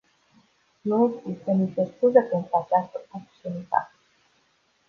Nu există nicio scuză pentru această obscenitate.